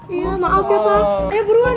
iya maaf ya pak ayo buruan